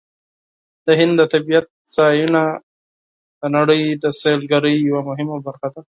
د هند د طبیعت ځایونه د نړۍ د سیلګرۍ یوه مهمه برخه ده.